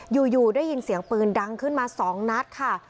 อยู่ได้ยินเสียงปืนดังขึ้นมา๒นัดค่ะ